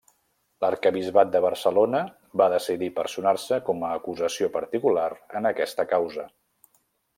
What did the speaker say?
L’Arquebisbat de Barcelona va decidir personar-se com acusació particular en aquesta causa.